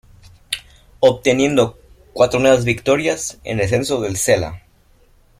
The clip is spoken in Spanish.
Obteniendo cuatro nuevas victorias en Descenso del Sella.